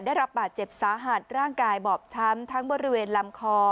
ได้รับบาดเจ็บสาหัสร่างกายบอบช้ำทั้งบริเวณลำคอ